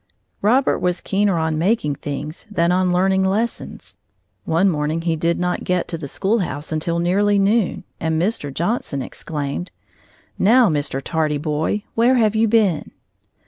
Robert was keener on making things than on learning lessons. One morning he did not get to the schoolhouse until nearly noon, and Mr. Johnson exclaimed: "Now, Mr. Tardy Boy, where have you been?"